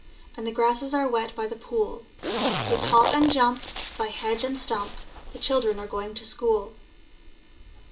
And the Grasses are wet by thePool . With hop andjump, BjNetigeATvdotumpt ^"^ The Children are going to School.